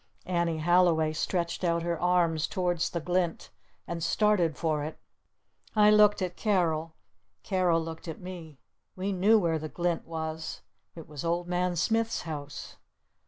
Annie Halliway stretched out her arms towards the glint. And started for it. I looked at Carol. Carol looked at me. We knew where the glint was. It was Old Man Smith's house.